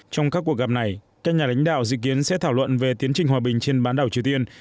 trong các cuộc gặp này các nhà lãnh đạo dự kiến sẽ thảo luận về tiến trình hòa bình trên bán đảo triều tiên